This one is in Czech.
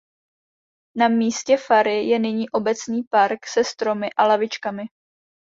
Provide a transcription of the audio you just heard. Na místě fary je nyní obecní park se stromy a lavičkami.